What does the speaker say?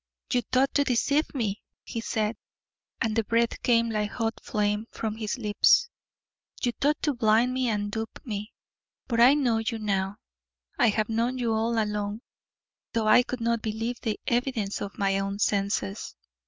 "You thought to deceive me," he said, and the breath came like hot flame from his lips. "You thought to blind and dupe me, but I know you now I have known you all along, though I could not believe the evidence of my own senses."